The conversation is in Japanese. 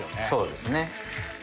そうですね。